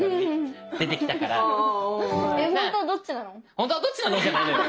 「本当はどっちなの？」じゃないのよ。